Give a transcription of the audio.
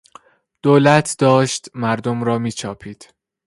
دولت داشت مردم را میچاپید.